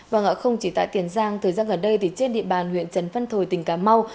và không chỉ tại tiền giang thời gian gần đây trên địa bàn huyện trần văn thồi tỉnh cà mau